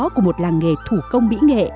của một làng nghề thủ công mỹ nghệ